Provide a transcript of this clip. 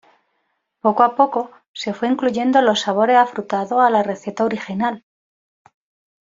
Poco a poco se fue incluyendo los sabores afrutados a la receta original.